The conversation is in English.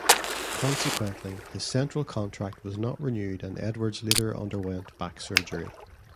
Consequently, his central contract was not renewed and Edwards later underwent back surgery.